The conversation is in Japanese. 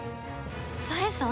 冴さん？